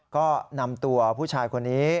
ก็นำตัวผู้ชายคนนี้